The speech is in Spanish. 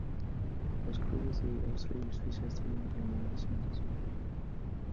Los clubes de Austria y Suiza estarían en ambas secciones.